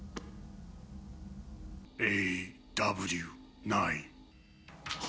ＡＷ９。